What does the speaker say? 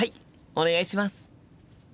お願いします。